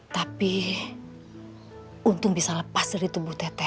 tapi untung bisa lepas dari tubuh teteh